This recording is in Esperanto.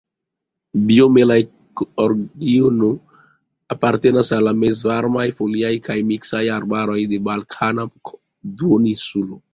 Biome la ekoregiono apartenas al mezvarmaj foliaj kaj miksaj arbaroj de Balkana Duoninsulo.